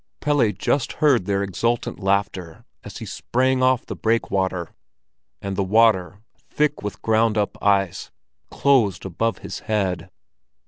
Pelle just heard their exultant laughter as he sprang off the breakwater, and the water, thick with ground up ice, closed above his head.